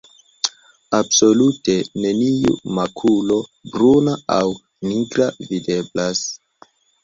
Absolute neniu makulo bruna aŭ nigra videblas.